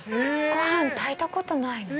ごはん炊いたことないの。